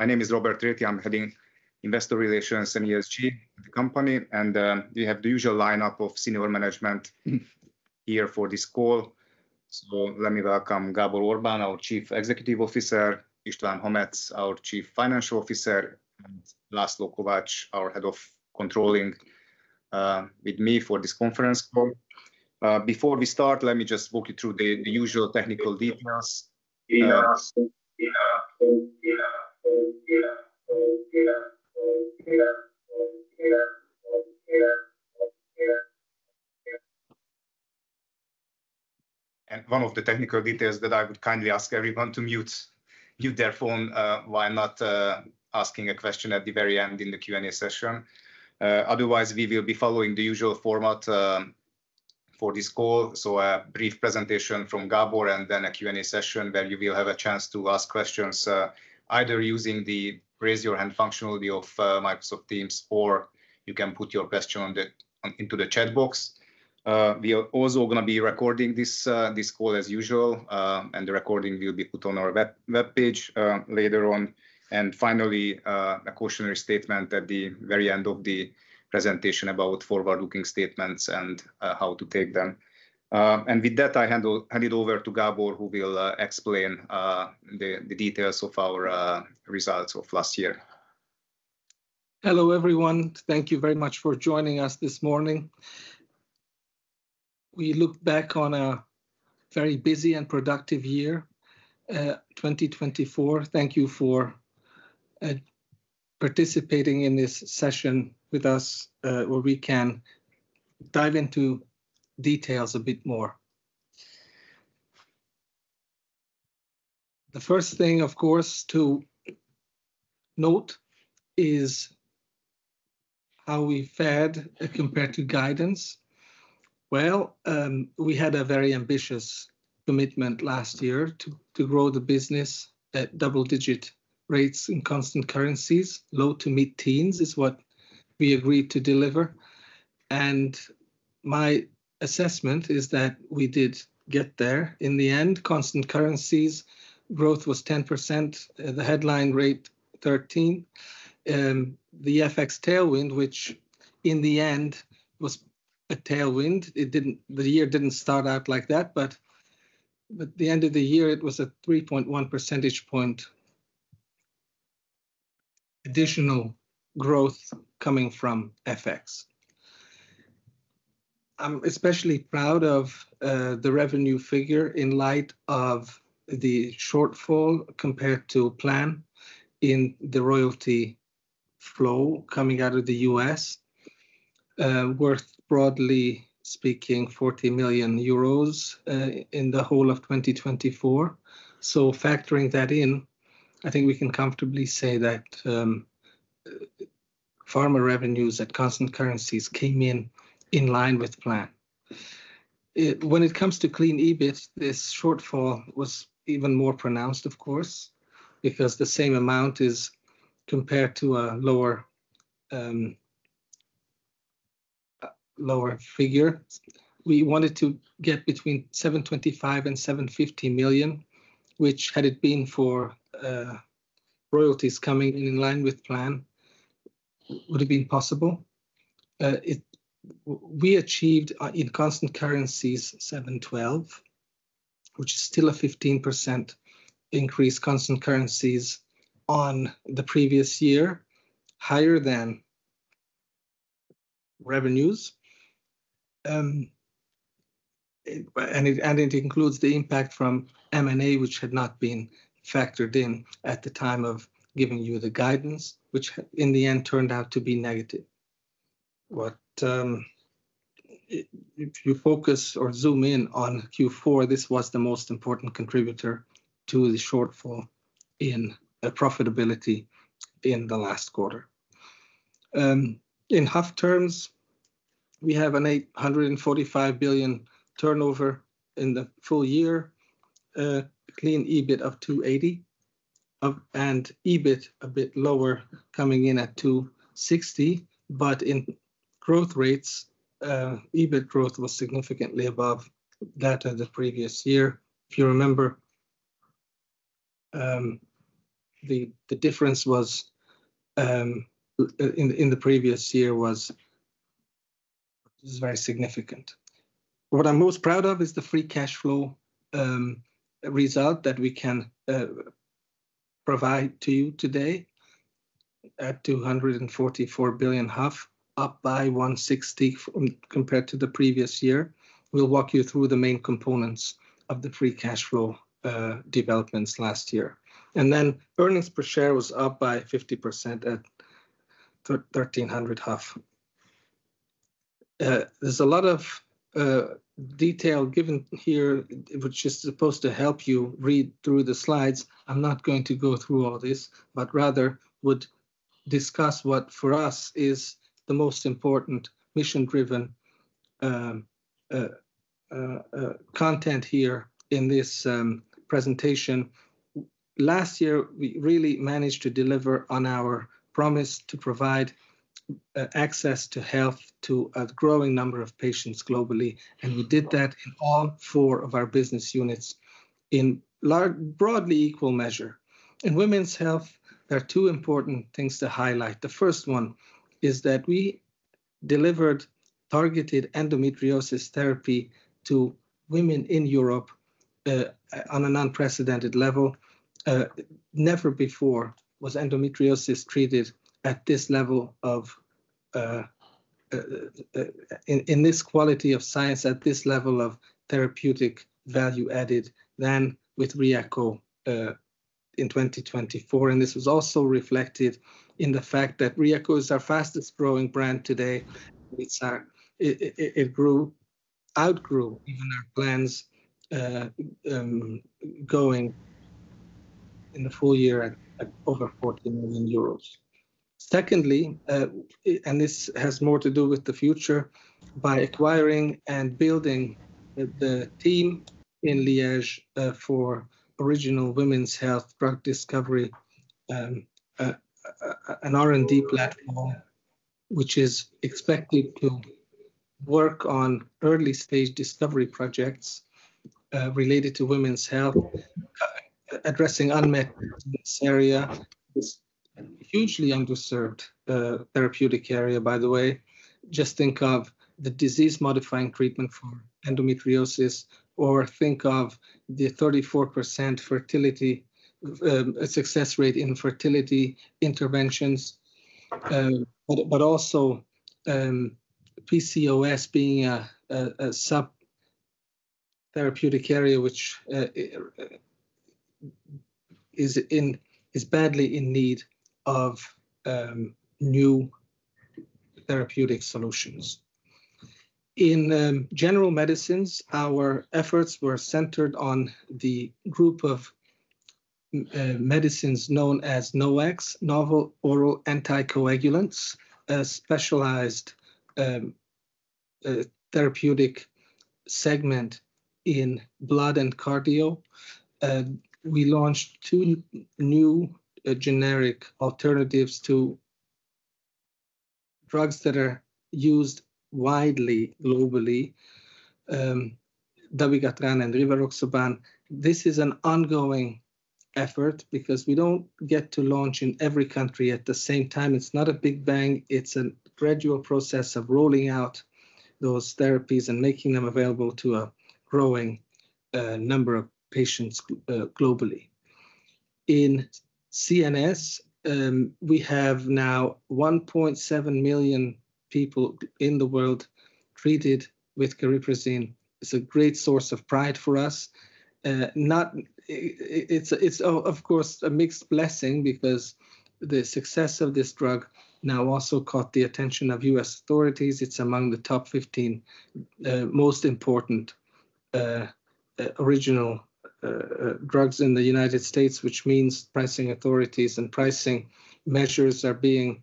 My name is Róbert Réthy. I'm heading Investor Relations and ESG at the company, and we have the usual lineup of senior management here for this call. Let me welcome Gábor Orbán, our Chief Executive Officer, István Hamecz, our Chief Financial Officer, and Laszlo Kovacs, our Head of Controlling, with me for this conference call. Before we start, let me just walk you through the usual technical details. One of the technical details that I would kindly ask everyone to mute their phone while not asking a question at the very end in the Q&A session. Otherwise we will be following the usual format for this call. A brief presentation from Gábor, and then a Q&A session where you will have a chance to ask questions, either using the raise your hand functionality of Microsoft Teams, or you can put your question into the chat box. We are also gonna be recording this call as usual, and the recording will be put on our webpage later on. Finally, a cautionary statement at the very end of the presentation about forward-looking statements and how to take them. With that, I hand it over to Gábor, who will explain the details of our results of last year. Hello everyone. Thank you very much for joining us this morning. We look back on a very busy and productive year, 2024. Thank you for participating in this session with us, where we can dive into details a bit more. The first thing, of course, to note is how we fared compared to guidance. Well, we had a very ambitious commitment last year to grow the business at double digit rates in constant currencies. Low- to mid-teens is what we agreed to deliver, and my assessment is that we did get there in the end. Constant currencies growth was 10%, the headline rate 13. The FX tailwind, which in the end was a tailwind. The year didn't start out like that, but at the end of the year it was a 3.1 percentage point additional growth coming from FX. I'm especially proud of the revenue figure in light of the shortfall compared to plan in the royalty flow coming out of the U.S. Worth, broadly speaking, 40 million euros in the whole of 2024. Factoring that in, I think we can comfortably say that pharma revenues at constant currencies came in in line with plan. When it comes to Clean EBIT, this shortfall was even more pronounced, of course, because the same amount is compared to a lower figure. We wanted to get between 725 million and 750 million, which had it been for royalties coming in in line with plan would have been possible. We achieved in constant currencies 712 million, which is still a 15% increase constant currencies on the previous year, higher than revenues. It includes the impact from M&A which had not been factored in at the time of giving you the guidance, which in the end turned out to be negative. If you focus or zoom in on Q4, this was the most important contributor to the shortfall in profitability in the last quarter. In HUF terms, we have an 845 billion turnover in the full year. Clean EBIT of 280 billion, and EBIT a bit lower, coming in at 260 billion. In growth rates, EBIT growth was significantly above that of the previous year. If you remember, the difference was in the previous year, this is very significant. What I'm most proud of is the free cash flow result that we can provide to you today at 244 billion, up by 160 billion compared to the previous year. We'll walk you through the main components of the free cash flow developments last year. Earnings per share was up by 50% at 1,300. There's a lot of detail given here which is supposed to help you read through the slides. I'm not going to go through all this, but rather would discuss what for us is the most important mission-driven content here in this presentation. Last year, we really managed to deliver on our promise to provide access to health to a growing number of patients globally, and we did that in all four of our business units in broadly equal measure. In Women's Health, there are two important things to highlight. The first one is that we delivered targeted endometriosis therapy to women in Europe on an unprecedented level. Never before was endometriosis treated at this level of in this quality of science at this level of therapeutic value added than with Ryeqo in 2024, and this was also reflected in the fact that Ryeqo is our fastest-growing brand today. It outgrew even our plans going in the full year at over 40 million euros. Secondly, this has more to do with the future, by acquiring and building the team in Liège for original Women's Health drug discovery, an R&D platform which is expected to work on early-stage discovery projects related to Women's Health, addressing unmet needs in this area. This hugely underserved therapeutic area, by the way. Just think of the disease-modifying treatment for endometriosis or think of the 34% fertility success rate in fertility interventions. Also, PCOS being a subtherapeutic area which is badly in need of new therapeutic solutions. In general medicines, our efforts were centered on the group of medicines known as NOACs, novel oral anticoagulants, a specialized therapeutic segment in blood and cardio. We launched two new generic alternatives to drugs that are used widely globally, dabigatran and rivaroxaban. This is an ongoing effort because we don't get to launch in every country at the same time. It's not a big bang. It's a gradual process of rolling out those therapies and making them available to a growing number of patients globally. In CNS, we have now 1.7 million people in the world treated with cariprazine. It's a great source of pride for us. It's, of course, a mixed blessing because the success of this drug now also caught the attention of U.S. authorities. It's among the top 15 most important original drugs in the U.S., which means pricing authorities and pricing measures are being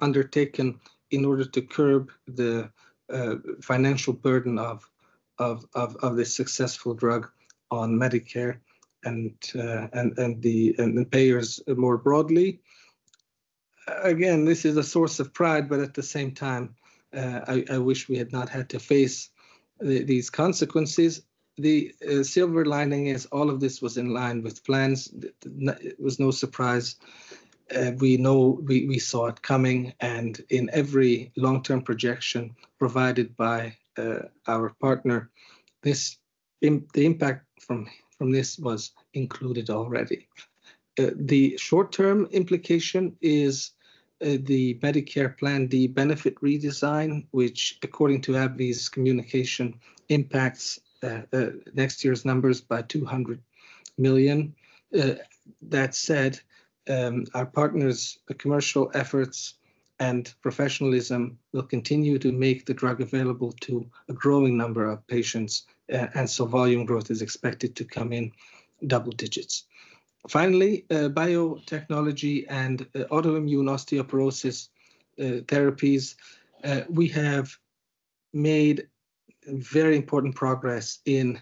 undertaken in order to curb the financial burden of this successful drug on Medicare and the payers more broadly. Again, this is a source of pride, but at the same time, I wish we had not had to face these consequences. The silver lining is all of this was in line with plans. It was no surprise. We saw it coming, and in every long-term projection provided by our partner, the impact from this was included already. The short-term implication is the Medicare Part D benefit redesign, which according to AbbVie's communication impacts next year's numbers by $200 million. That said, our partners' commercial efforts and professionalism will continue to make the drug available to a growing number of patients. Volume growth is expected to come in double digits. Finally, biotechnology and autoimmune osteoporosis therapies. We have made very important progress in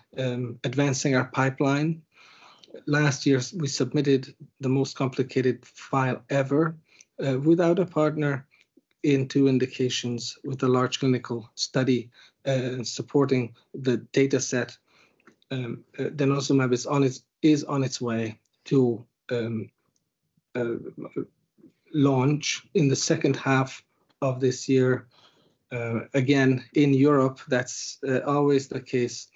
advancing our pipeline. Last year, we submitted the most complicated file ever, without a partner in two indications with a large clinical study supporting the dataset. denosumab is on its way to launch in the second half of this year. Again, in Europe, that's always the case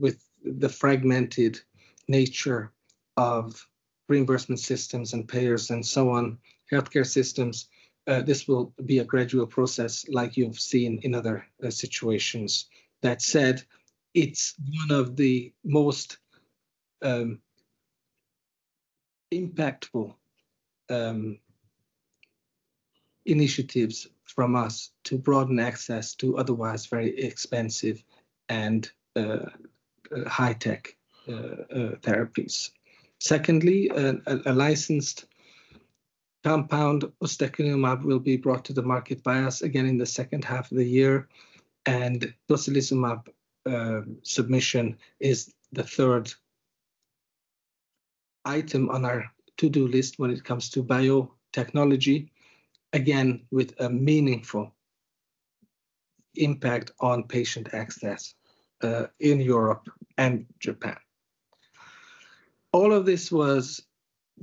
with the fragmented nature of reimbursement systems and payers and so on, healthcare systems. This will be a gradual process like you've seen in other situations. That said, it's one of the most impactful initiatives from us to broaden access to otherwise very expensive and high-tech therapies. Secondly, a licensed compound, ustekinumab, will be brought to the market by us again in the second half of the year, and tocilizumab submission is the third item on our to-do list when it comes to biotechnology, again, with a meaningful impact on patient access in Europe and Japan. All of this was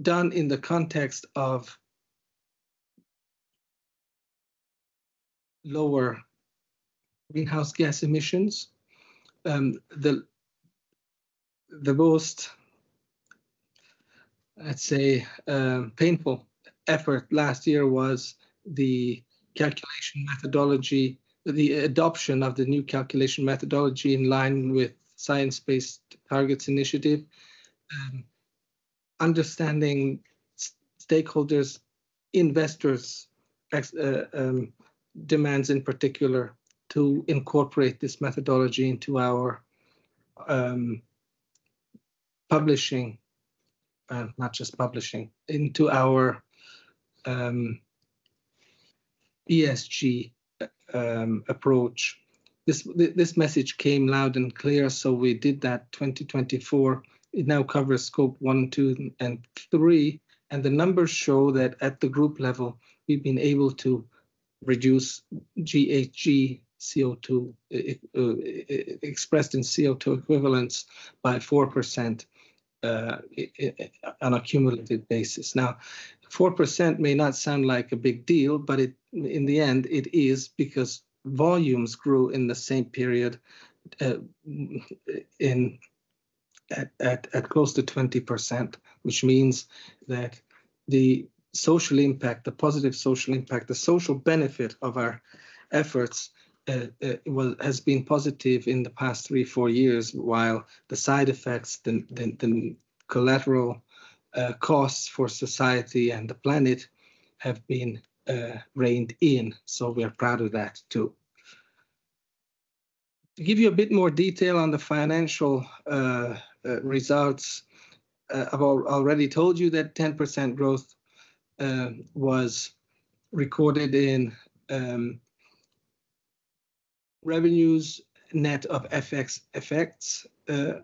done in the context of lower greenhouse gas emissions, the most, let's say, painful effort last year was the calculation methodology, the adoption of the new calculation methodology in line with Science Based Targets initiative. Understanding stakeholders', investors' demands in particular to incorporate this methodology into our publishing, not just publishing, into our ESG approach. This message came loud and clear, so we did that 2024. It now covers Scope 1, 2, and 3, and the numbers show that at the group level we've been able to reduce GHG, CO2, expressed in CO2 equivalence by 4% on a cumulative basis. 4% may not sound like a big deal, but in the end it is, because volumes grew in the same period, at close to 20%. Which means that the social impact, the positive social impact, the social benefit of our efforts, well, has been positive in the past 3-4 years, while the side effects, the collateral costs for society and the planet have been reined in. We are proud of that too. To give you a bit more detail on the financial results, I've already told you that 10% growth was recorded in revenues net of FX effects. The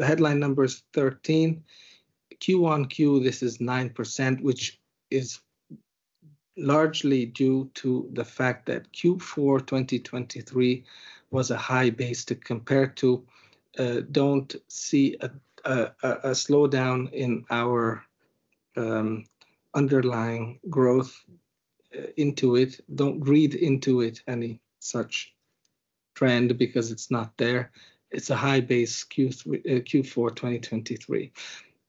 headline number is 13. QoQ, this is 9% which is largely due to the fact that Q4 2023 was a high base to compare to. Don't see a slowdown in our underlying growth into it. Don't read into it any such trend because it's not there. It's a high base Q4 2023.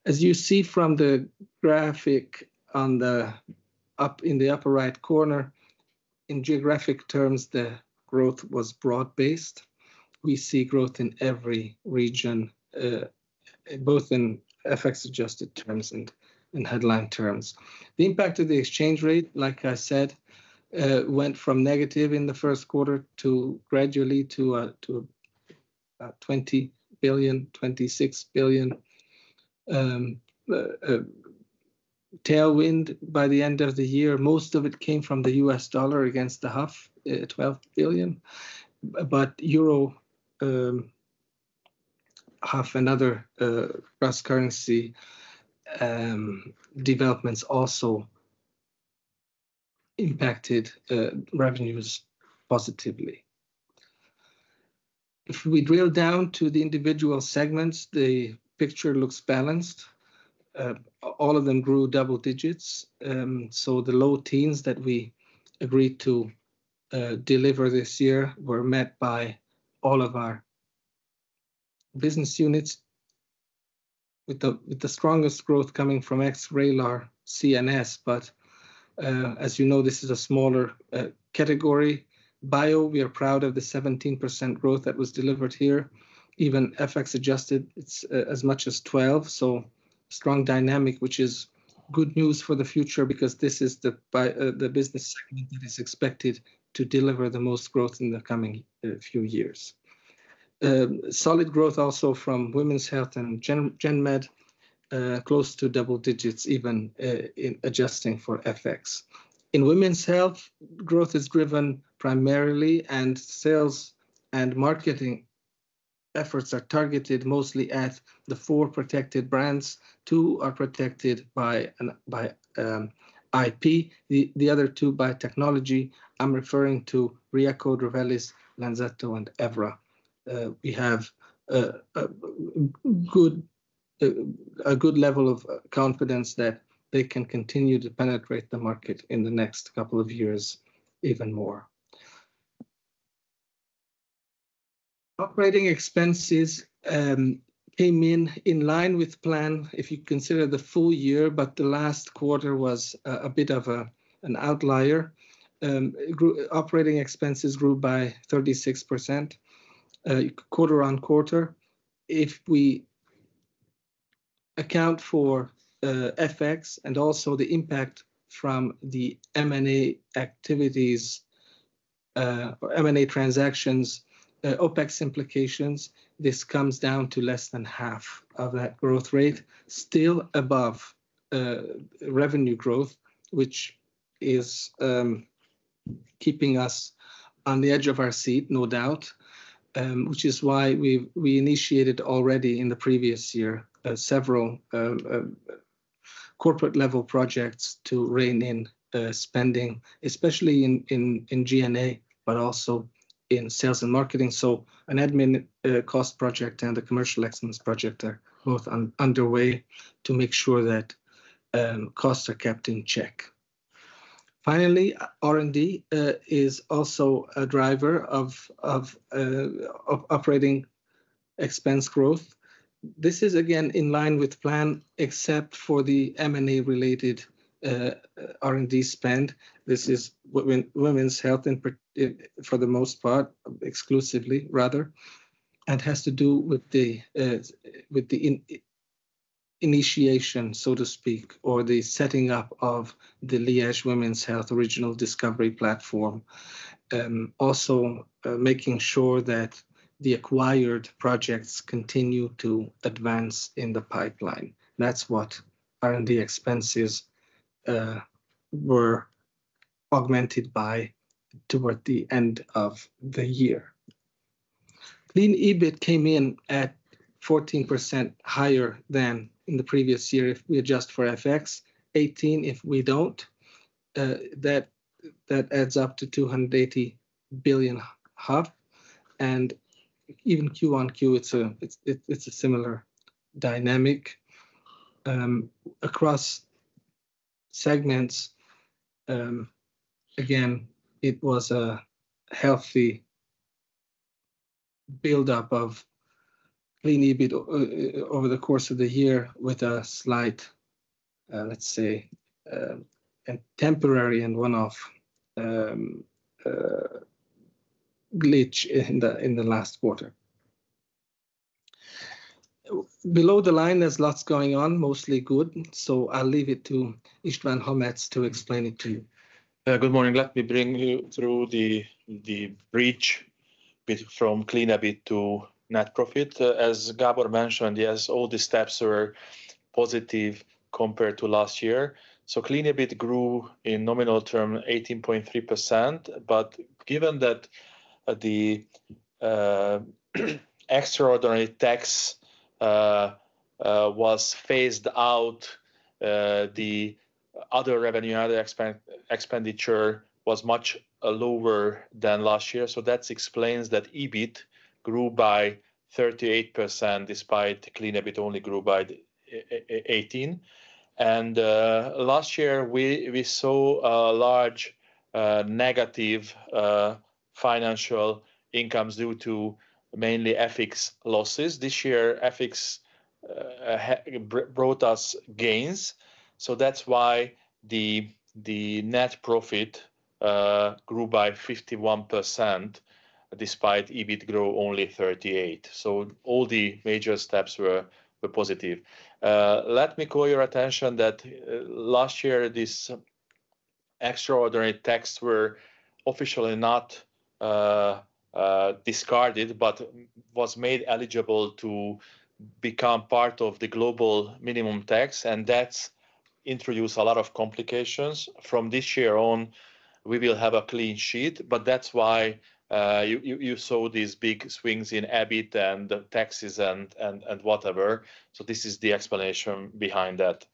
As you see from the graphic in the upper right corner, in geographic terms the growth was broad-based. We see growth in every region, both in FX-adjusted terms and in headline terms. The impact of the exchange rate, like I said, went from negative in the first quarter to gradually to about 20 billion-26 billion tailwind by the end of the year. Most of it came from the US dollar against the half, $12 billion. Euro, HUF and other cross-currency developments also impacted revenues positively. If we drill down to the individual segments, the picture looks balanced. All of them grew double digits, so the low teens that we agreed to deliver this year were met by all of our business units with the strongest growth coming from ex-Vraylar CNS. As you know, this is a smaller category. BIO, we are proud of the 17% growth that was delivered here. Even FX adjusted, it's as much as 12%, so strong dynamic, which is good news for the future because this is the business segment that is expected to deliver the most growth in the coming few years. Solid growth also from Women's Health and GenMed, close to double digits even in adjusting for FX. In Women's Health, growth is driven primarily, and sales and marketing efforts are targeted mostly at the four protected brands. Two are protected by IP, the other two by technology. I'm referring to Ryeqo, Drovelis, Lenzetto and EVRA. We have a good level of confidence that they can continue to penetrate the market in the next couple of years even more. Operating expenses came in in line with plan if you consider the full year, but the last quarter was a bit of an outlier. Operating expenses grew by 36% quarter-over-quarter. If we account for FX and also the impact from the M&A activities or M&A transactions, OpEx implications, this comes down to less than half of that growth rate. Still above revenue growth, which is keeping us on the edge of our seat, no doubt, which is why we initiated already in the previous year several corporate-level projects to rein in spending, especially in G&A, but also in sales and marketing. An admin cost project and a commercial excellence project are both underway to make sure that costs are kept in check. Finally, R&D is also a driver of operating expense growth. This is again in line with plan except for the M&A-related R&D spend. This is Women's Health for the most part, exclusively rather, and has to do with the initiation, so to speak, or the setting up of the Liège Women's Health Regional Discovery Platform. Also making sure that the acquired projects continue to advance in the pipeline. That's what R&D expenses were augmented by toward the end of the year. Clean EBIT came in at 14% higher than in the previous year if we adjust for FX, 18% if we don't. That adds up to 280 billion. Even QoQ, it's a similar dynamic. Across segments, again, it was a healthy buildup of Clean EBIT over the course of the year with a slight, let's say, temporary and one-off glitch in the last quarter. Below the line, there's lots going on, mostly good. I'll leave it to István Hamecz to explain it to you. Good morning. Let me bring you through the bridge from Clean EBIT to net profit. As Gábor mentioned, yes, all the steps were positive compared to last year. Clean EBIT grew in nominal term 18.3%. Given that the extraordinary tax was phased out, the other revenue, other expenditure was much lower than last year. That explains that EBIT grew by 38% despite Clean EBIT only grew by 18%. Last year, we saw large negative financial incomes due to mainly FX losses. This year, FX brought us gains. That's why the net profit grew by 51% despite EBIT grew only 38%. All the major steps were positive. Let me call your attention that last year, these extraordinary tax were officially not discarded, but was made eligible to become part of the global minimum tax. That's introduced a lot of complications. From this year on, we will have a clean sheet, that's why you saw these big swings in EBIT and taxes and whatever. This is the explanation behind that.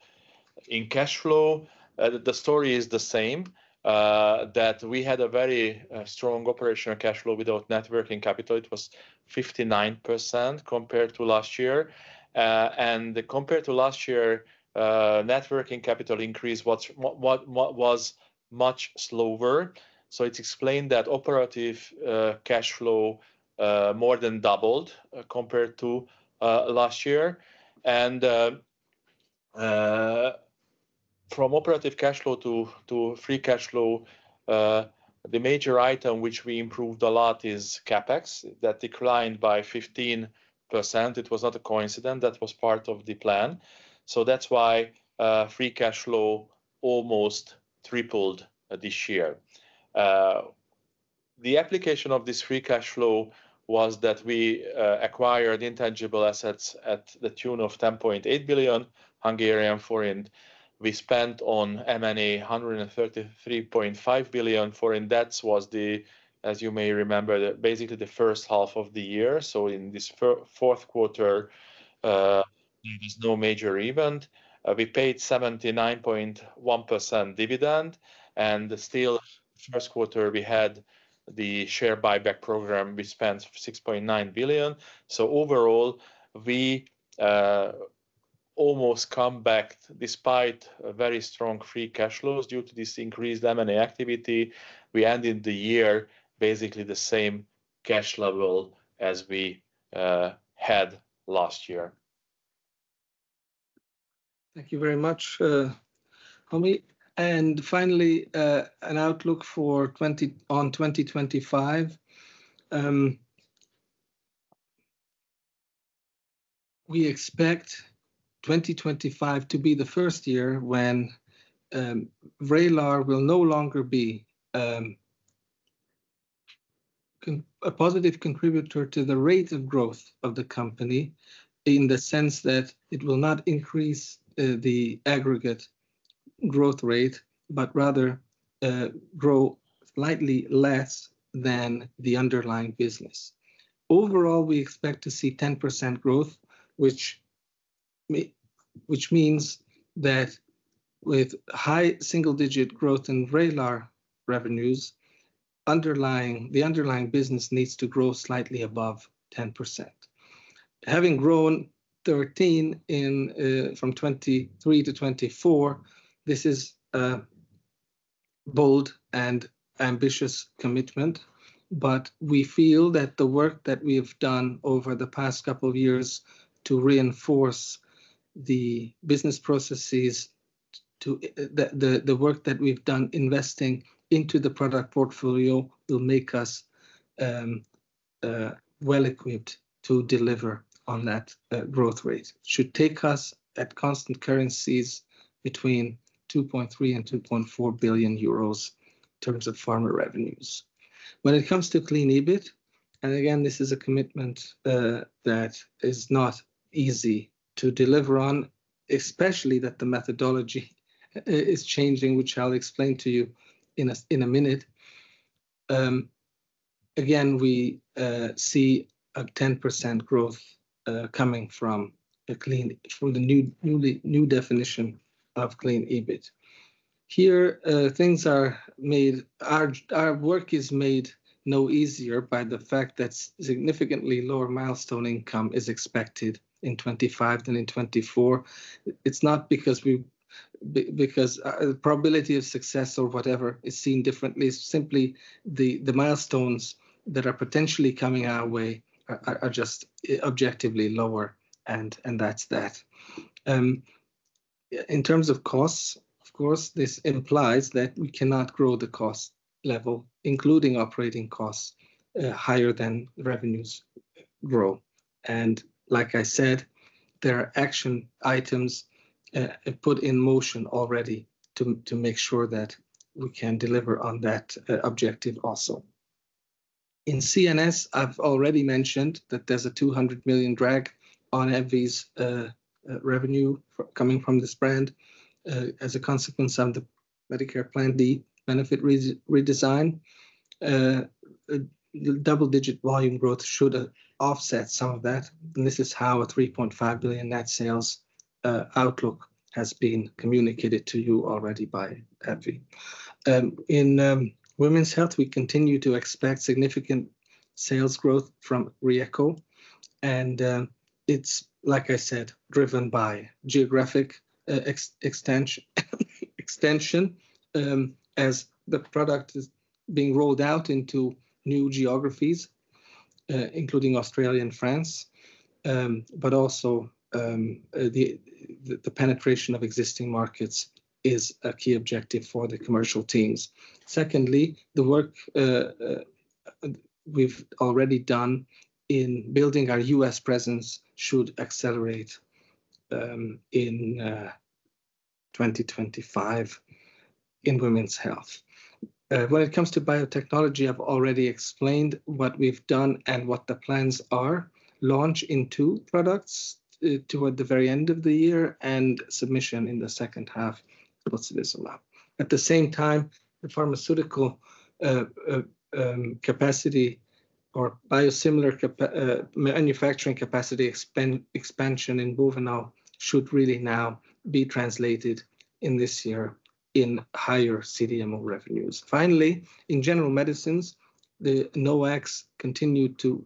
In cash flow, the story is the same, that we had a very strong operational cash flow without net working capital. It was 59% compared to last year. Compared to last year, net working capital increase was much slower. It's explained that operative cash flow more than doubled compared to last year. From operative cash flow to free cash flow, the major item which we improved a lot is CapEx. That declined by 15%. It was not a coincidence. That was part of the plan. That's why free cash flow almost tripled this year. The application of this free cash flow was that we acquired intangible assets at the tune of 10.8 billion. We spent on M&A 133.5 billion. That was the, as you may remember, basically the first half of the year. In this fourth quarter, there was no major event. We paid 79.1% dividend. Still first quarter, we had the share buyback program. We spent 6.9 billion. Overall, we almost come back despite very strong free cash flows due to this increased M&A activity. We ended the year basically the same cash level as we had last year. Thank you very much, Hamecz. Finally, an outlook on 2025. We expect 2025 to be the first year when ex-Vraylar will no longer be a positive contributor to the rate of growth of the company in the sense that it will not increase the aggregate growth rate, but rather grow slightly less than the underlying business. Overall, we expect to see 10% growth, which means that with high-single digit growth in ex-Vraylar revenues, the underlying business needs to grow slightly above 10%. Having grown 13 in from 2023-2024, this is a bold and ambitious commitment, but we feel that the work that we have done over the past couple of years to reinforce the business processes to the work that we've done investing into the product portfolio will make us well-equipped to deliver on that growth rate. Should take us at constant currencies between 2.3 billion and 2.4 billion euros in terms of pharma revenues. When it comes to Clean EBIT, and again this is a commitment that is not easy to deliver on, especially that the methodology is changing, which I'll explain to you in a minute. Again, we see a 10% growth coming from the new definition of Clean EBIT. Here, our work is made no easier by the fact that significantly lower milestone income is expected in 2025 than in 2024. It's not because the probability of success or whatever is seen differently. Simply the milestones that are potentially coming our way are just objectively lower and that's that. In terms of costs, of course, this implies that we cannot grow the cost level, including operating costs, higher than revenues grow. Like I said, there are action items put in motion already to make sure that we can deliver on that objective also. In CNS, I've already mentioned that there's a $200 million drag on AbbVie's revenue coming from this brand as a consequence of the Medicare Part D benefit redesign. The double digit volume growth should offset some of that, and this is how a $3.5 billion net sales outlook has been communicated to you already by AbbVie. In Women's Health, we continue to expect significant sales growth from Ryeqo and it's, like I said, driven by geographic extension as the product is being rolled out into new geographies, including Australia and France. Also, the penetration of existing markets is a key objective for the commercial teams. Secondly, the work we've already done in building our U.S. presence should accelerate in 2025 in Women's Health. When it comes to biotechnology, I've already explained what we've done and what the plans are. Launch in two products toward the very end of the year and submission in the second half. At the same time, the pharmaceutical capacity or biosimilar manufacturing capacity expansion in Debrecen should really now be translated in this year in higher CDMO revenues. Finally, in general medicines, the NOACs continue to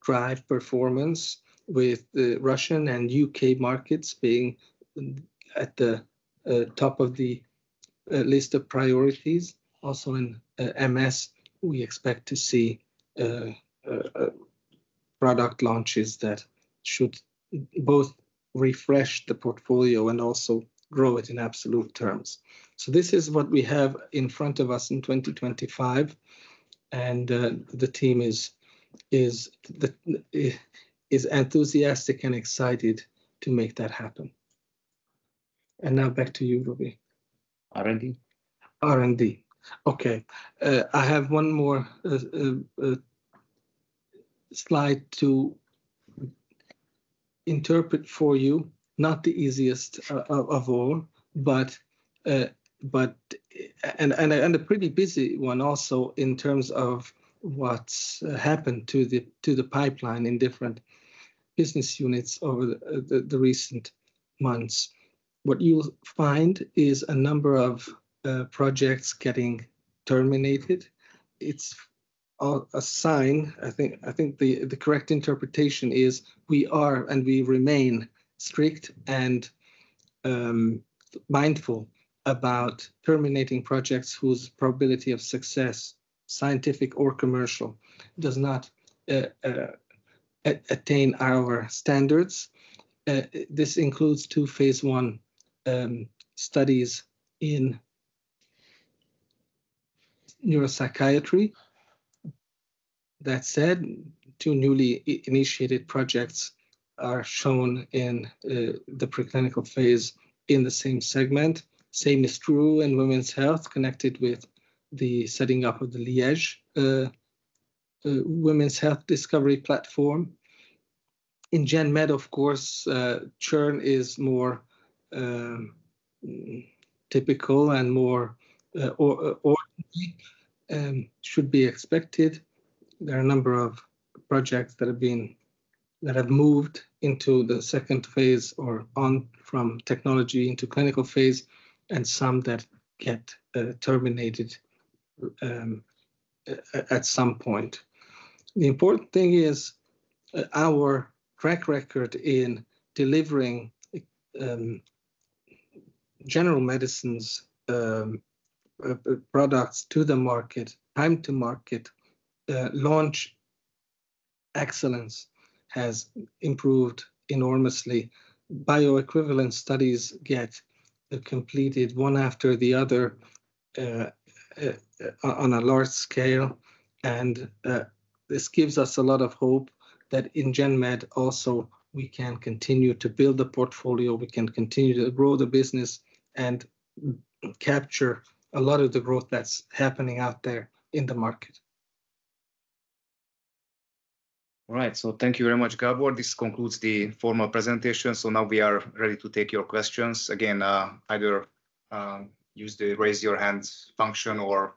drive performance with the Russian and U.K. markets being at the top of the list of priorities. Also in MS, we expect to see product launches that should both refresh the portfolio and also grow it in absolute terms. This is what we have in front of us in 2025, and the team is enthusiastic and excited to make that happen. Now back to you, Róbert. R&D? R&D. Okay. I have one more slide to interpret for you. Not the easiest of all, but a pretty busy one also in terms of what's happened to the pipeline in different business units over the recent months. What you'll find is a number of projects getting terminated. It's a sign, I think the correct interpretation is we are and we remain strict and mindful about terminating projects whose probability of success, scientific or commercial, does not attain our standards. This includes two phase I studies in neuropsychiatry. That said, two newly initiated projects are shown in the preclinical phase in the same segment. Same is true in Women's Health connected with the setting up of the Liege Women's Health Discovery Platform. In GenMed, of course, churn is more typical and more ordinary, should be expected. There are a number of projects that have moved into phase II or on from technology into clinical phase, and some that get terminated at some point. The important thing is our track record in delivering general medicines products to the market, time to market, launch excellence has improved enormously. Bioequivalent studies get completed one after the other on a large scale and this gives us a lot of hope that in GenMed also we can continue to build the portfolio, we can continue to grow the business and capture a lot of the growth that's happening out there in the market. All right. Thank you very much, Gábor. This concludes the formal presentation. Now we are ready to take your questions. Again, either use the raise your hand function or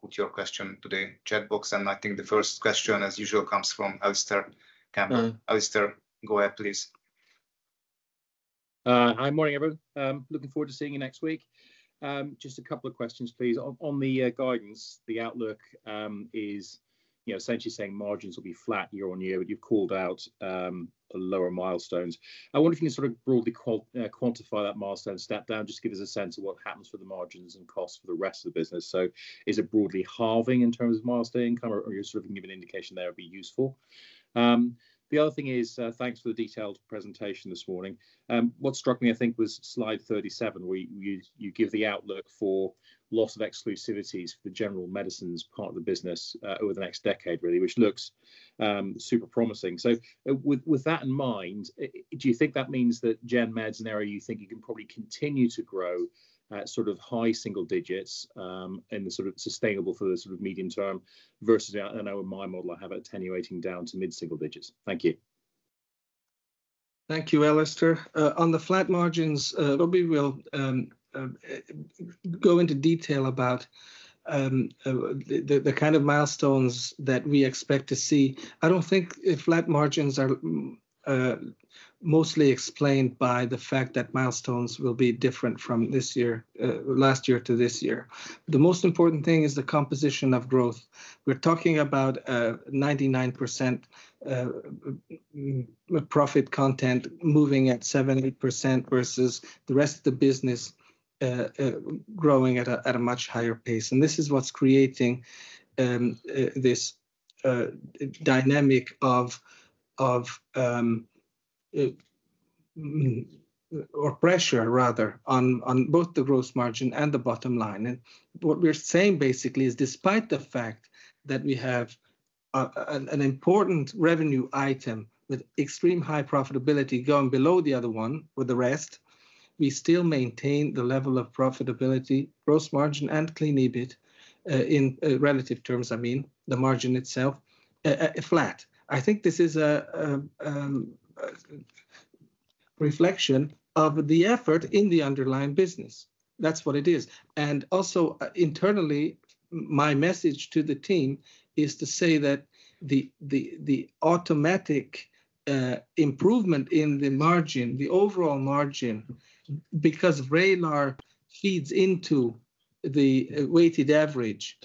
put your question to the chat box. I think the first question, as usual, comes from [Alistair Campbell]. Alistair, go ahead please. Hi. Morning, everyone. I'm looking forward to seeing you next week. Just a couple of questions, please. On the guidance, the outlook, you know, is essentially saying margins will be flat year-over-year, but you've called out lower milestones. I wonder if you can sort of broadly quantify that milestone step down, just give us a sense of what happens for the margins and costs for the rest of the business. Is it broadly halving in terms of milestone income or sort of give an indication there would be useful. The other thing is, thanks for the detailed presentation this morning. What struck me, I think, was slide 37 where you give the outlook for loss of exclusivities for the General Medicines part of the business over the next decade really, which looks super promising. With, with that in mind, do you think that means that GenMed is an area you think you can probably continue to grow at sort of high-single digits and is sort of sustainable for the sort of medium term versus I know in my model I have it attenuating down to mid-single digits. Thank you. Thank you, Alistair. On the flat margins, Róbert will go into detail about the kind of milestones that we expect to see. I don't think if flat margins are mostly explained by the fact that milestones will be different from this year, last year to this year. The most important thing is the composition of growth. We're talking about 99% profit content moving at 70% versus the rest of the business growing at a much higher pace. This is what's creating this dynamic of pressure rather, on both the gross margin and the bottom line. What we're saying basically is despite the fact that we have an important revenue item with extreme high profitability going below the other one with the rest, we still maintain the level of profitability, gross margin and Clean EBIT in relative terms, I mean, the margin itself flat. I think this is a reflection of the effort in the underlying business. That's what it is. Also, internally, my message to the team is to say that the automatic improvement in the margin, the overall margin, because ex-Vraylar feeds into the weighted average,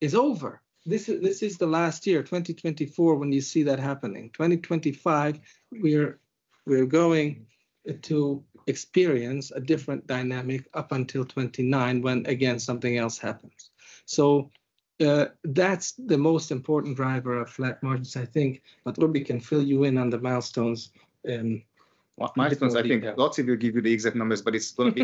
is over. This is the last year, 2024, when you see that happening. 2025, we're going to experience a different dynamic up until 2029 when again something else happens. That's the most important driver of flat margins I think, but Róbert can fill you in on the milestones in. Milestones I think László will give you the exact numbers, but I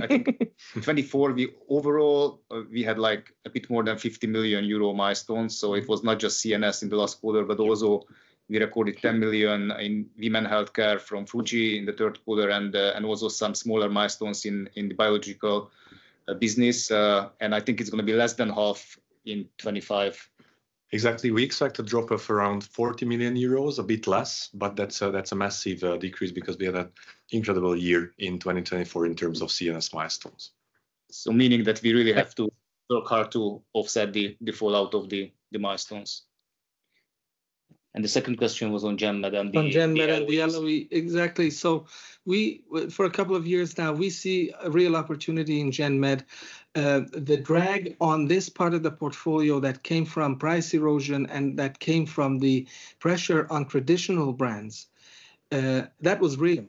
think in 2024 we overall had a bit more than 50 million euro milestones, so it was not just CNS in the last quarter, but also we recorded 10 million in Women's Healthcare from Fuji in the third quarter and also some smaller milestones in the biological business. I think it's gonna be less than half in 2025. Exactly. We expect a drop of around 40 million euros, a bit less, but that's a massive decrease because we had an incredible year in 2024 in terms of CNS milestones. Meaning that we really have to work hard to offset the fallout of the milestones. The second question was on GenMed. Gen Med and the LOE. Exactly. For a couple of years now, we see a real opportunity in GenMed. The drag on this part of the portfolio that came from price erosion and that came from the pressure on traditional brands, that was real.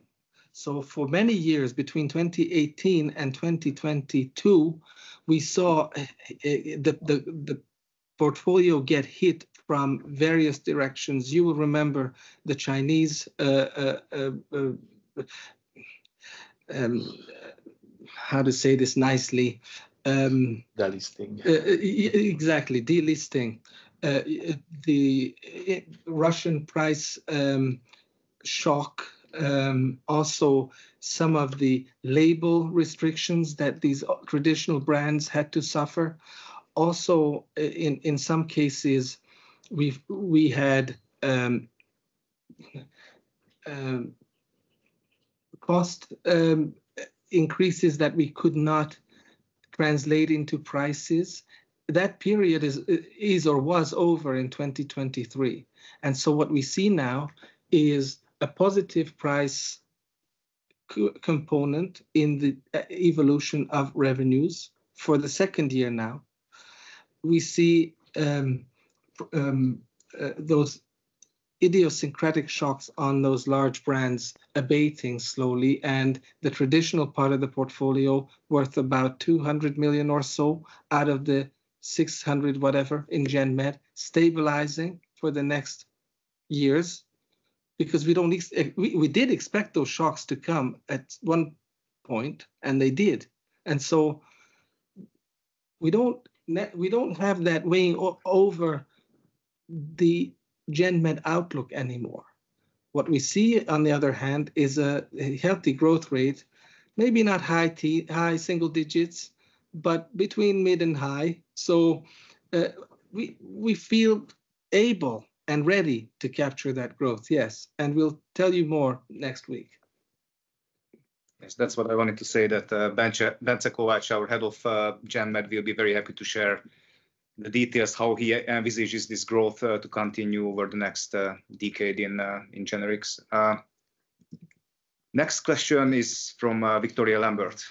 For many years, between 2018 and 2022, we saw the portfolio get hit from various directions. You will remember the Chinese. How to say this nicely. Delisting? Exactly, delisting. The Russian price shock, also some of the label restrictions that these traditional brands had to suffer. Also in some cases, we had cost increases that we could not translate into prices. That period is or was over in 2023, and so what we see now is a positive price component in the evolution of revenues for the second year now. We see those idiosyncratic shocks on those large brands abating slowly and the traditional part of the portfolio worth about 200 million or so out of the 600 million whatever in GenMed stabilizing for the next years because we did expect those shocks to come at one point, and they did, and we don't have that weighing over the GenMed outlook anymore. What we see on the other hand is a healthy growth rate, maybe not high-single digits, but between mid- and high-. We feel able and ready to capture that growth, yes, and we'll tell you more next week. Yes, that's what I wanted to say that Bence Kovács, our Head of GenMed, will be very happy to share the details how he envisages this growth to continue over the next decade in generics. Next question is from [Victoria Lambert].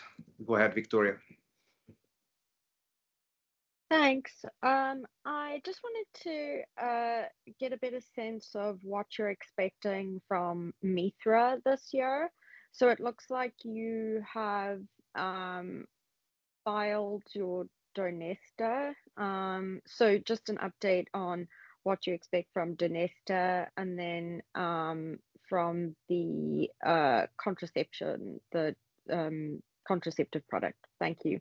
Go ahead, Victoria. Thanks. I just wanted to get a better sense of what you're expecting from Mithra this year. It looks like you have filed your Donesta. Just an update on what you expect from Donesta and then from the contraception, the contraceptive product. Thank you.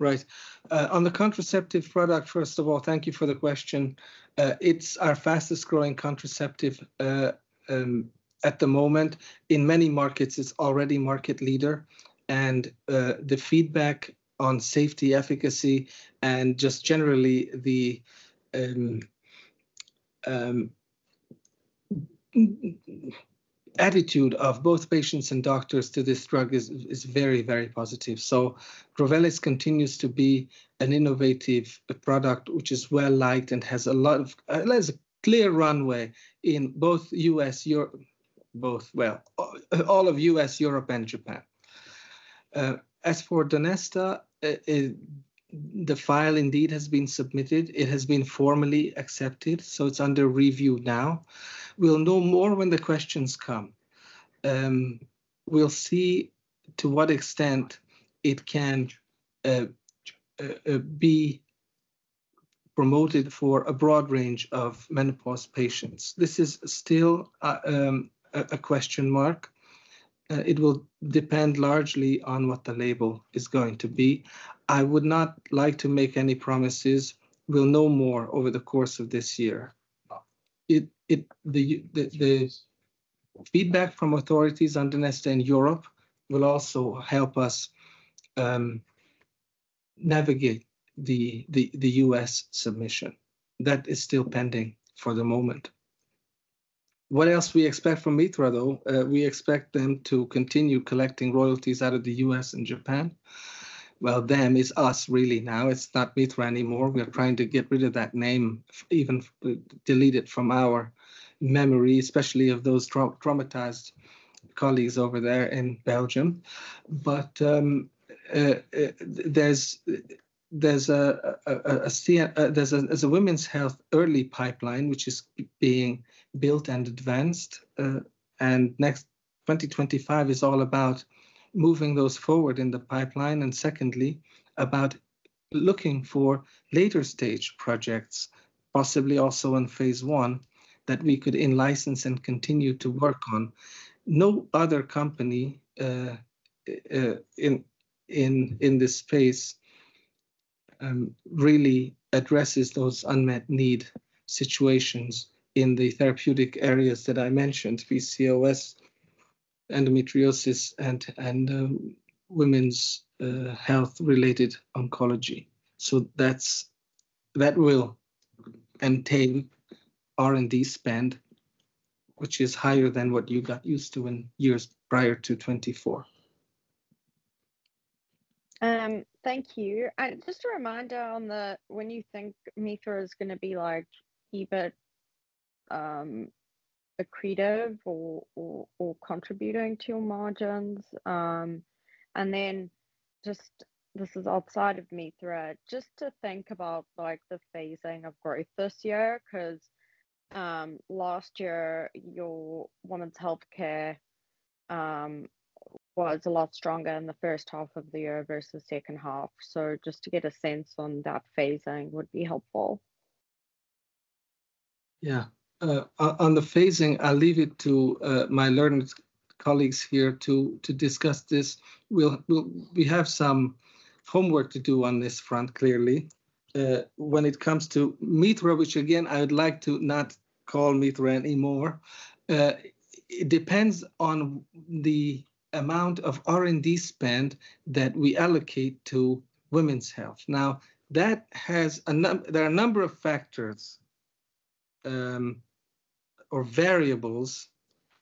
Right. On the contraceptive product, first of all, thank you for the question. It's our fastest growing contraceptive at the moment. In many markets, it's already market leader, and the feedback on safety efficacy and just generally the attitude of both patients and doctors to this drug is very, very positive. Drovelis continues to be an innovative product which is well-liked and has a clear runway in all of U.S., Europe, and Japan. As for Donesta, the file indeed has been submitted. It has been formally accepted, so it's under review now. We'll know more when the questions come. We'll see to what extent it can be promoted for a broad range of menopause patients. This is still a question mark. It will depend largely on what the label is going to be. I would not like to make any promises. We'll know more over the course of this year. The feedback from authorities on Donesta in Europe will also help us navigate the U.S. submission. That is still pending for the moment. What else we expect from Mithra though? We expect them to continue collecting royalties out of the U.S. and Japan. Well, them is us really now. It's not Mithra anymore. We're trying to get rid of that name, even delete it from our memory, especially of those traumatized colleagues over there in Belgium. There's a scene, there's a Women's Health early pipeline which is being built and advanced. Next 2025 is all about moving those forward in the pipeline, and secondly, about looking for later stage projects, possibly also in phase I, that we could in-license and continue to work on. No other company in this space really addresses those unmet need situations in the therapeutic areas that I mentioned, PCOS, endometriosis, and Women's Health-related oncology. That will entail R&D spend, which is higher than what you got used to in years prior to 2024. Thank you. Just a reminder on the when you think Mithra is going to be like EBIT accretive or contributing to your margins. Then just this is outside of Mithra, just to think about like the phasing of growth this year, because last year your Women's Healthcare was a lot stronger in the first half of the year versus second half. Just to get a sense on that phasing would be helpful. Yeah. On the phasing, I'll leave it to my learned colleagues here to discuss this. We'll, we have some homework to do on this front clearly. When it comes to Mithra, which again I would like to not call Mithra anymore, it depends on the amount of R&D spend that we allocate to Women's Health. Now, that has a number of factors, or variables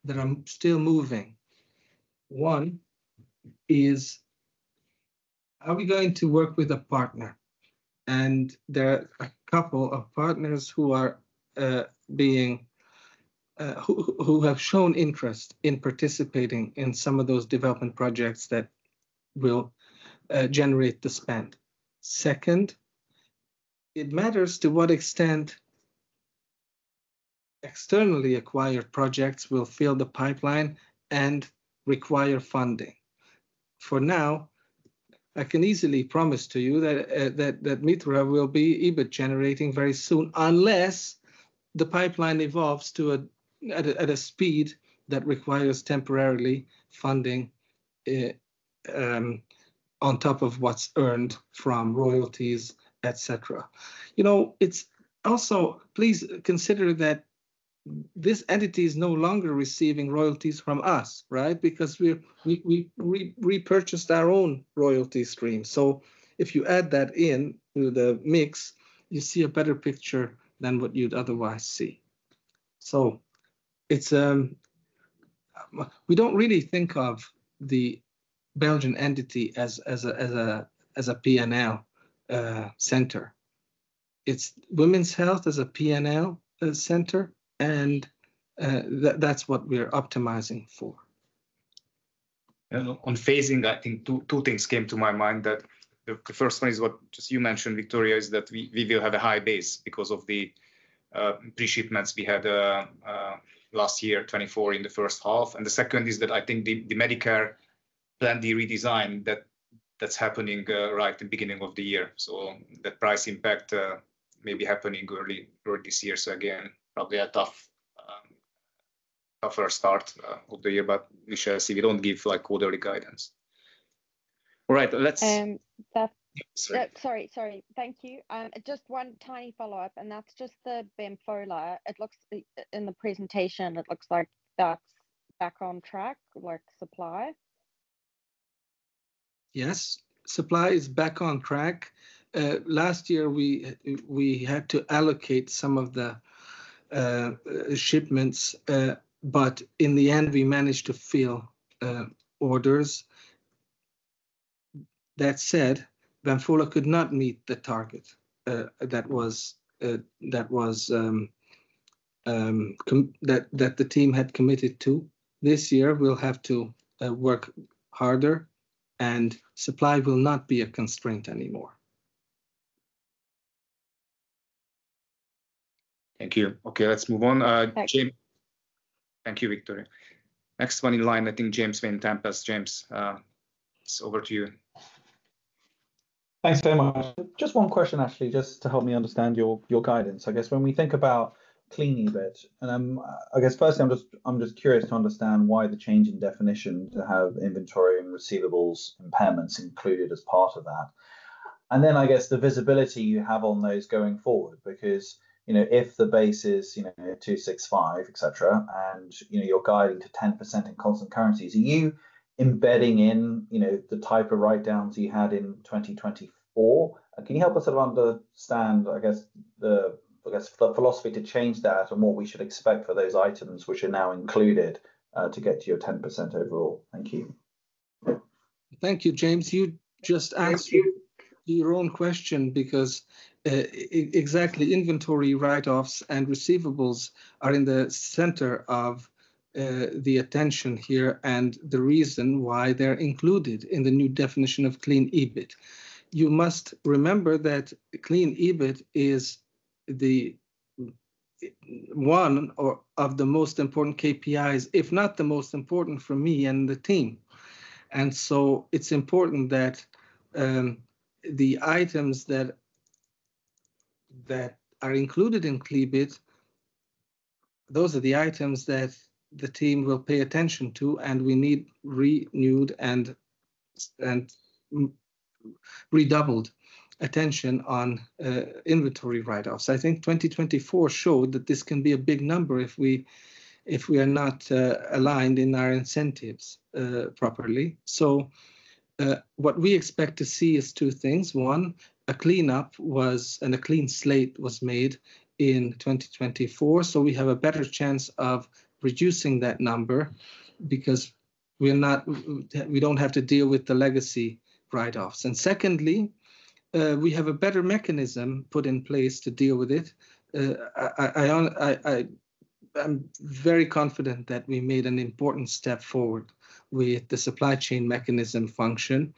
that are still moving. One is are we going to work with a partner? There are a couple of partners who are being who have shown interest in participating in some of those development projects that will generate the spend. Second, it matters to what extent externally acquired projects will fill the pipeline and require funding. For now, I can easily promise to you that Mithra will be EBIT generating very soon, unless the pipeline evolves to a speed that requires temporarily funding on top of what's earned from royalties, et cetera. You know, it's also please consider that this entity is no longer receiving royalties from us, right? We repurchased our own royalty stream. If you add that in to the mix, you see a better picture than what you'd otherwise see. We don't really think of the Belgian entity as a P&L center. It's Women's Health as a P&L center, and that's what we're optimizing for. On phasing, I think two things came to my mind. The first one is what you just mentioned, Victoria, is that we will have a high base because of the pre-shipments we had last year 2024 in the first half. The second is that I think the Medicare Part D redesign that's happening right at the beginning of the year. The price impact may be happening early this year. Again, probably a tougher start of the year, but we shall see. We don't give like quarterly guidance. All right. Sorry. Thank you. Just one tiny follow-up, and that's just the Bemfola. In the presentation, it looks like that's back on track with supply. Yes, supply is back on track. Last year we had to allocate some of the shipments, but in the end we managed to fill orders. That said, Bemfola could not meet the target that was that the team had committed to. This year we'll have to work harder, and supply will not be a constraint anymore. Thank you. Okay, let's move on. James. Thanks. Thank you, Victoria. Next one in line, I think [James Vontobel]. James, it's over to you. Thanks very much. Just one question, actually, just to help me understand your guidance. I guess when we think about Clean EBIT, I guess firstly I'm just curious to understand why the change in definition to have inventory and receivables impairments included as part of that. Then I guess the visibility you have on those going forward because, you know, if the base is, you know, 265, et cetera, and, you know, you're guiding to 10% in constant currencies, are you embedding in, you know, the type of write-downs you had in 2024? Can you help us sort of understand, I guess the philosophy to change that or what we should expect for those items which are now included to get to your 10% overall? Thank you. Thank you, James. You just asked your own question because, exactly inventory write-offs and receivables are in the center of the attention here and the reason why they're included in the new definition of Clean EBIT. You must remember that Clean EBIT is the one or of the most important KPIs, if not the most important for me and the team. It's important that the items that are included in Clean EBIT, those are the items that the team will pay attention to, and we need renewed and redoubled attention on inventory write-offs. I think 2024 showed that this can be a big number if we are not aligned in our incentives properly. What we expect to see is two things. One, a cleanup was a clean slate was made in 2024. So we have a better chance of reducing that number because we don't have to deal with the legacy write-offs. Secondly, we have a better mechanism put in place to deal with it. I am very confident that we made an important step forward with the supply chain mechanism function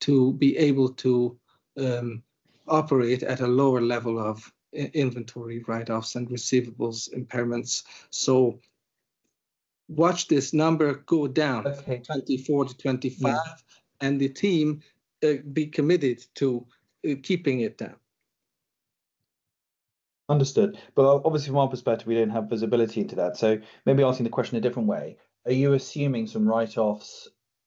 to be able to operate at a lower level of inventory write-offs and receivables impairments. Watch this number go down. Okay. 2024-2025. The team, be committed to, keeping it down. Understood. Obviously from our perspective we don't have visibility into that, so maybe asking the question a different way. Are you assuming some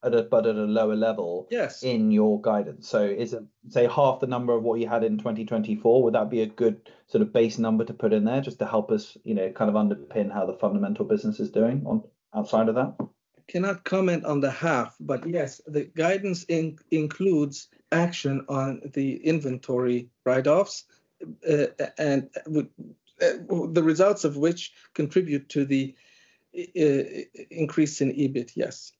write-offs at a lower level? Yes. In your guidance? Is it, say, half the number of what you had in 2024, would that be a good sort of base number to put in there just to help us, you know, kind of underpin how the fundamental business is doing on outside of that? I cannot comment on the half, yes, the guidance includes action on the inventory write-offs, and the results of which contribute to the increase in EBIT, yes.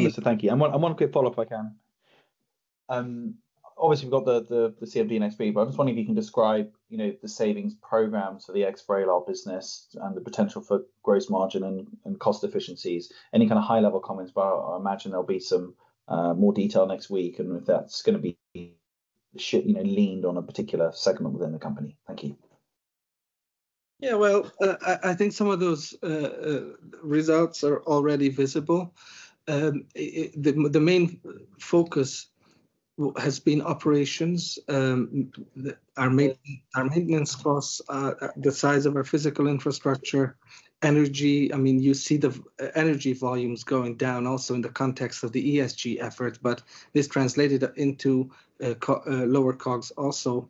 Understood. Thank you. One quick follow-up, if I can. Obviously we've got the CMD next week, I'm just wondering if you can describe, you know, the savings program, the ex-Vraylar business and the potential for gross margin and cost efficiencies. Any kind of high-level comments, I imagine there'll be some more detail next week, and if that's gonna be the shit, you know, leaned on a particular segment within the company? Thank you. Yeah. Well, I think some of those results are already visible. The main focus has been operations, our maintenance costs, the size of our physical infrastructure, energy, I mean, you see the energy volumes going down also in the context of the ESG effort, but this translated into lower COGS also.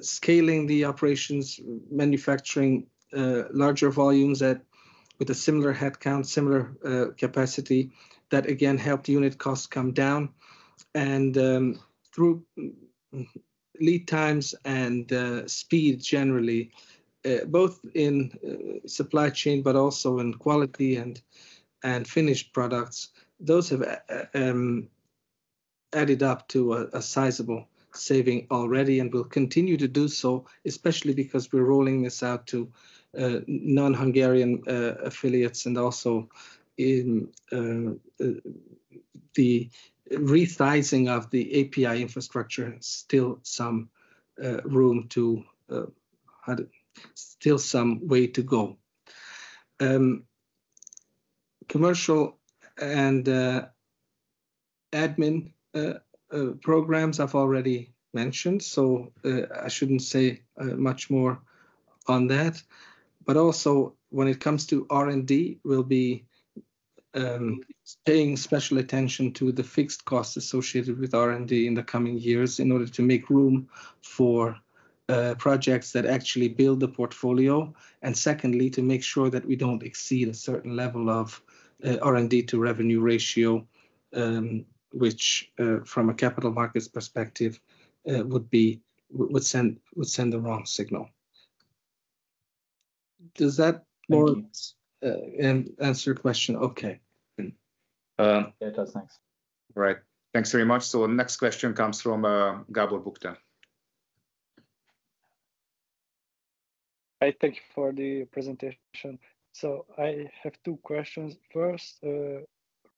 Scaling the operations, manufacturing larger volumes at, with a similar headcount, similar capacity, that again helped unit costs come down. Through lead times and speed generally, both in supply chain but also in quality and finished products, those have added up to a sizable saving already and will continue to do so. Especially because we're rolling this out to non-Hungarian affiliates and also in the resizing of the API infrastructure. Had still some way to go. Commercial and admin programs I've already mentioned, I shouldn't say much more on that. Also when it comes to R&D, we'll be paying special attention to the fixed costs associated with R&D in the coming years in order to make room for projects that actually build the portfolio. And secondly, to make sure that we don't exceed a certain level of R&D to revenue ratio, which from a capital markets perspective, would be, would send the wrong signal. Does that more. Thank you. And that answer your question? Okay. Yeah, it does. Thanks. Right. Thanks very much. Next question comes from [Gábor Bukta]. Hi. Thank you for the presentation. I have two questions. First,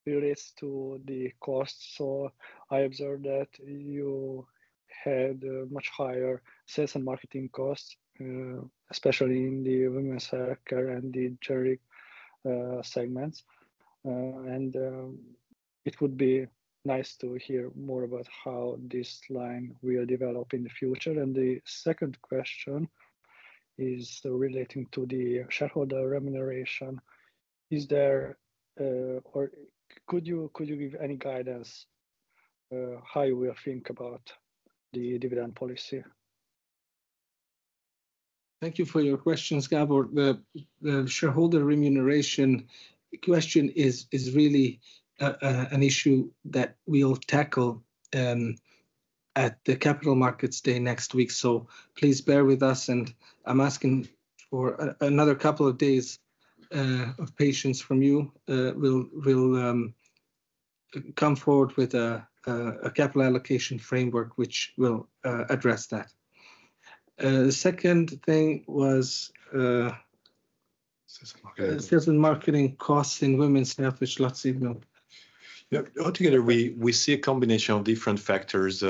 relates to the cost. I observed that you had a much higher sales and marketing costs, especially in the Women's Healthcare and the generic segments. It would be nice to hear more about how this line will develop in the future. The second question is relating to the shareholder remuneration. Is there, or could you give any guidance how you will think about the dividend policy? Thank you for your questions, Gábor. The shareholder remuneration question is really an issue that we'll tackle at the Capital Markets Day next week. Please bear with us, and I'm asking for another couple of days of patience from you. We'll come forward with a capital allocation framework which will address that. The second thing was. Sales and marketing. Sales and marketing costs in Women's Health, which László will. Yeah. Altogether, we see a combination of different factors.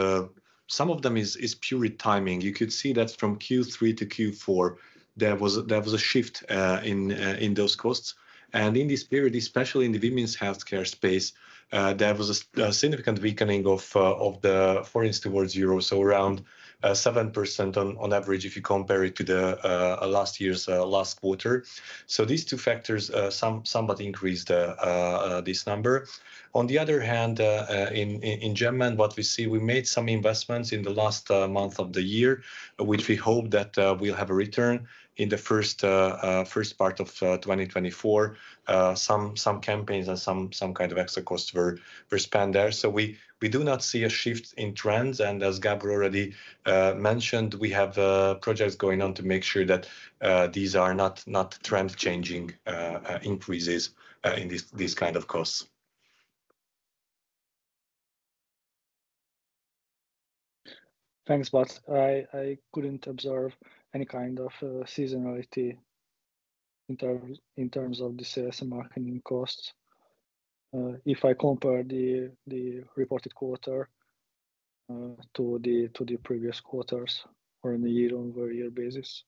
Some of them is pure timing. You could see that from Q3-Q4, there was a shift in those costs. In this period, especially in the Women's Healthcare space, there was a significant weakening of the forint towards euro, so around 7% on average if you compare it to the last year's last quarter. These two factors somewhat increased this number. On the other hand, in general, what we see, we made some investments in the last month of the year, which we hope that will have a return in the first part of 2024. Some campaigns and some kind of extra costs were spent there. We do not see a shift in trends, and as Gábor already mentioned, we have projects going on to make sure that these are not trend-changing increases in these kind of costs. Thanks, I couldn't observe any kind of seasonality in terms of the sales and marketing costs, if I compare the reported quarter to the previous quarters or in the year-over-year basis?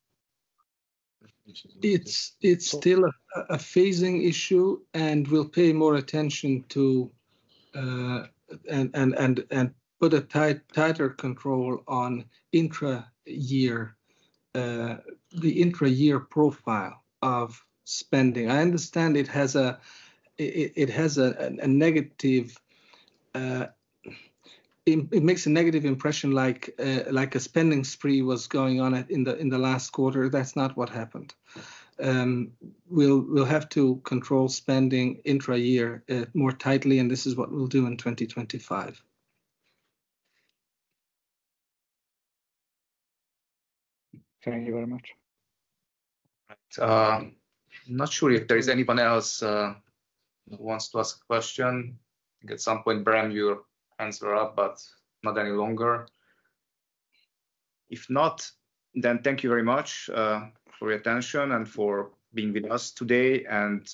It's still a phasing issue. We'll pay more attention to and put a tighter control on intra-year, the intra-year profile of spending. I understand it has a negative. It makes a negative impression like a spending spree was going on in the last quarter. That's not what happened. We'll have to control spending intra-year more tightly. This is what we'll do in 2025. Thank you very much. Right. Not sure if there is anyone else who wants to ask a question. I think at some point, [Bram], your hands were up, but not any longer. If not, then thank you very much for your attention and for being with us today.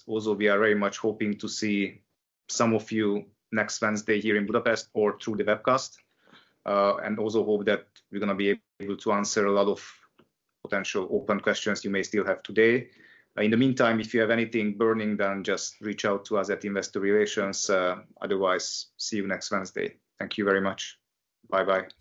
We are very much hoping to see some of you next Wednesday here in Budapest or through the webcast. Hope that we're gonna be able to answer a lot of potential open questions you may still have today. In the meantime, if you have anything burning, then just reach out to us at Investor Relations. Otherwise, see you next Wednesday. Thank you very much. Bye-bye